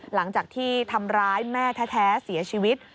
หลังจากที่ทำร้ายแม่แท้เสียชีวิต